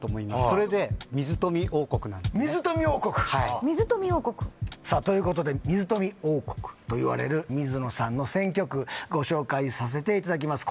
それで水富王国水富王国さあということで水富王国といわれる水野さんの選挙区ご紹介させていただきます